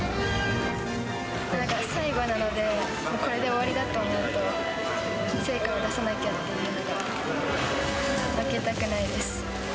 なんか最後なので、これで終わりだと思うと、成果を出さなきゃっていうのが、負けたくないです。